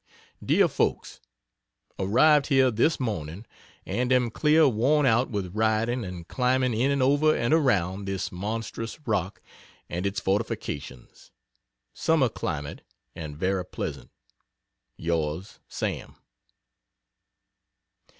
DEAR FOLKS, Arrived here this morning, and am clear worn out with riding and climbing in and over and around this monstrous rock and its fortifications. Summer climate and very pleasant. Yrs. SAM.